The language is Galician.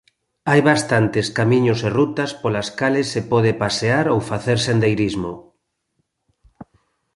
Hai bastantes camiños e rutas polas cales se pode pasear ou facer sendeirismo.